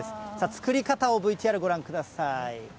作り方を、ＶＴＲご覧ください。